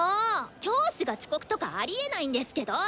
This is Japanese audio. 教師が遅刻とかありえないんですけど！